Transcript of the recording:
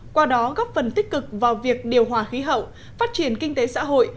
qua đó góp phần tích cực vào việc điều hòa khí hậu phát triển kinh tế xã hội